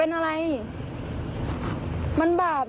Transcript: สวัสดีครับ